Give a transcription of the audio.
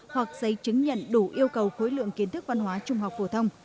hoặc giấy chứng nhận đủ yêu cầu khối lượng kiến thức văn hóa trung học phổ thông